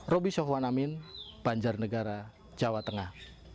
roby sohwanamin banjarnegara jawa tengah